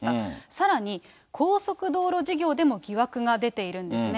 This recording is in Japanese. さらに高速道路事業でも疑惑が出ているんですね。